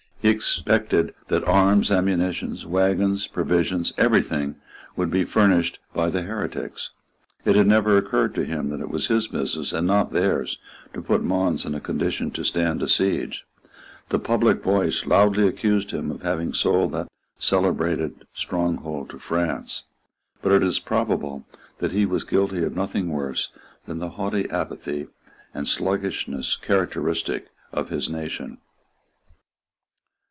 He expected that arms, ammunition, waggons, provisions, every thing, would be furnished by the heretics. It had never occurred to him that it was his business, and not theirs, to put Mons in a condition to stand a siege. The public voice loudly accused him of having sold that celebrated stronghold to France. But it is probable that he was guilty of nothing worse than the haughty apathy and sluggishness characteristic of his nation.